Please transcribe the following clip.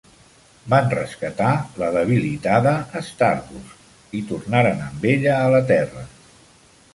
Van rescatar la debilitada Stardust i tornaren amb ella a la terra.